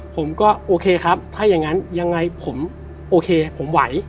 ผมก็โอเคครับถ้าอย่างนั้นยังไงผมโอเคผมไหว